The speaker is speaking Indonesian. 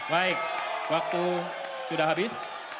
baik waktu sudah habis